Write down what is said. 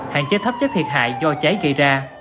hạn chế thấp chất thiệt hại do cháy gây ra